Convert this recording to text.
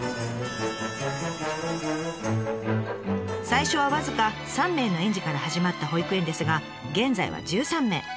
最初は僅か３名の園児から始まった保育園ですが現在は１３名。